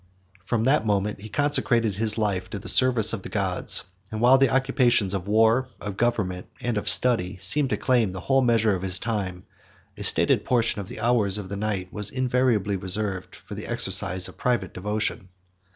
From that moment he consecrated his life to the service of the gods; and while the occupations of war, of government, and of study, seemed to claim the whole measure of his time, a stated portion of the hours of the night was invariably reserved for the exercise of private devotion.